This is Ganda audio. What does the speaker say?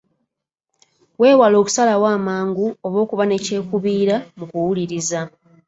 Weewale okusalawo amangu oba okuba ne kyekubiira mu kuwuliriza.